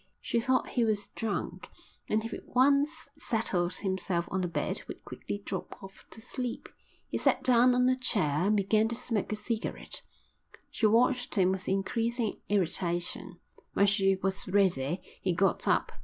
She thought he was drunk and if he once settled himself on the bed would quickly drop off to sleep. He sat down on a chair and began to smoke a cigarette. She watched him with increasing irritation: When she was ready he got up.